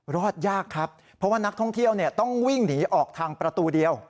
รอดยากครับเพราะว่านักท่องเที่ยวต้องวิ่งหนีออกทางประตูเดียว